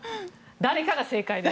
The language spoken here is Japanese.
誰かが正解です。